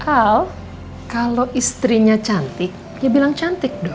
al kalau istrinya cantik ya bilang cantik dong